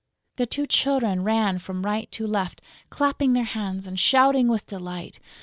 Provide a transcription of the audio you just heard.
The two children ran from right to left clapping their hands and shouting with delight.